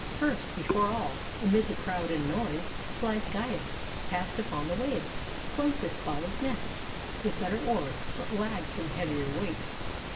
First, before all. Amid the crowd and noise, flies Gyas past Upon the waves. Cloanthus follows next. With better oars, but lags from heavier weight.